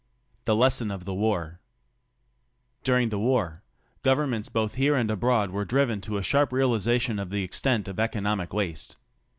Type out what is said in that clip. ^ THE LESSON OF THE WAR During the war, governments both here and abroad were driven to a sharp realization of the extent of economic waste.